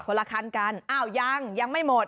ละคันกันอ้าวยังยังไม่หมด